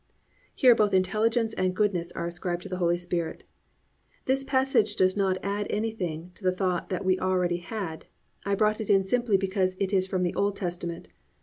"+ Here both intelligence and goodness are ascribed to the Holy Spirit. This passage does not add anything to the thought that we have already had: I brought it in simply because it is from the Old Testament.